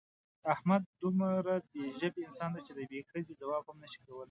احمد دومره بې ژبې انسان دی چې د یوې ښځې ځواب هم نشي کولی.